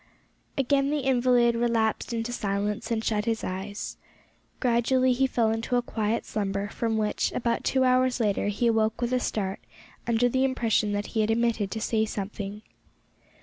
Again the invalid relapsed into silence and shut his eyes. Gradually he fell into a quiet slumber, from which, about two hours later, he awoke with a start under the impression that he had omitted to say something.